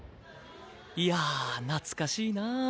いや懐かしいなあ。